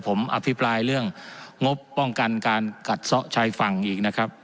ผมอภิปรายเรื่องงบป้องกันการกัดซ่อชายฝั่งอีกนะครับ